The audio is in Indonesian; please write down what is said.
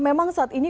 memang saat ini